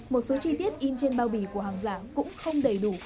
một số chi tiết in trên bao bì của hàng giả cũng không đầy đủ